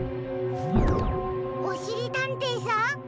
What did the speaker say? おしりたんていさん？